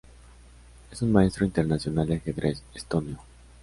Es un Maestro Internacional de ajedrez estonio.